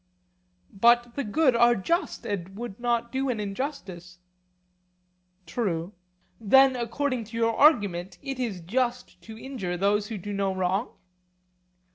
But the good are just and would not do an injustice? True. Then according to your argument it is just to injure those who do no wrong?